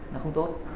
nó không tốt